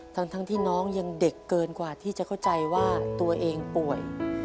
ทั้งที่น้องยังเด็กเกินกว่าที่จะเข้าใจว่าตัวเองป่วย